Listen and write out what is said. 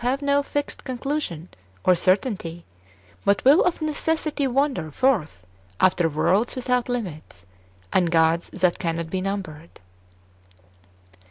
have no fixed conclusion or certainty, but will of necessity wander forth after worlds without limits, and gods that can not be numbered.